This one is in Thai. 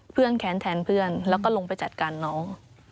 แค้นแทนเพื่อนแล้วก็ลงไปจัดการน้อง